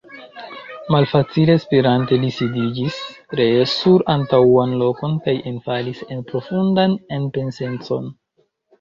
Malfacile spirante, li sidiĝis ree sur antaŭan lokon kaj enfalis en profundan enpensecon.